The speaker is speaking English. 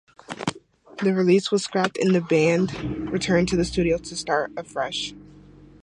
The release was scrapped and the band returned to the studio to start afresh.